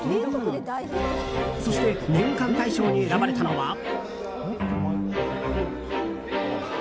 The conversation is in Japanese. そして年間大賞に選ばれたのは。